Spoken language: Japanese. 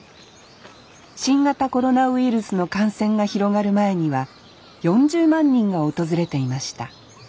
新型コロナウイルスの感染が広がる前には４０万人が訪れていました。